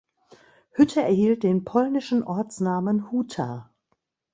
Hütte erhielt den polnischen Ortsnamen „Huta“.